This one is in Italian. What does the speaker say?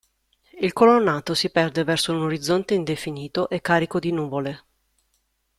Il colonnato si perde verso un orizzonte indefinito e carico di nuvole.